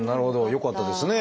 よかったですね。